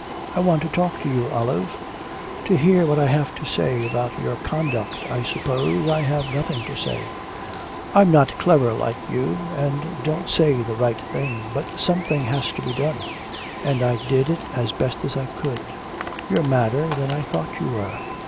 'I want to talk to you, Olive.' 'To hear what I have to say about your conduct, I suppose. I have nothing to say.' 'I'm not clever, like you, and don't say the right thing, but something had to be done, and I did it as best I could.' 'You're madder than I thought you were.'